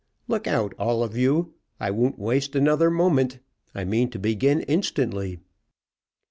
Look out, all of you! I won't waste another moment. I mean to begin instantly."